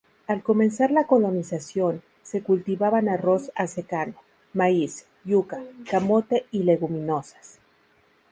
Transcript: Al comenzar la colonización, se cultivaban arroz a secano, maíz, yuca, camote y leguminosas.